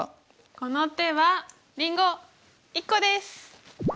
この手はりんご１個です！